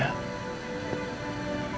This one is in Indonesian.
mungkin kalau tidak ada dia